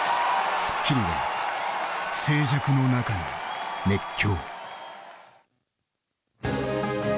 『スッキリ』は静寂の中の熱狂。